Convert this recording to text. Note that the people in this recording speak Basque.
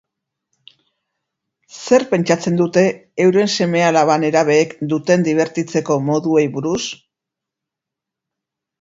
Zer pentsatzen dute euren seme-alaba nerabeek duten dibertitzeko moduei buruz?